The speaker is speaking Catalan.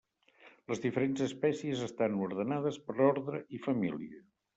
Les diferents espècies estan ordenades per ordre i família.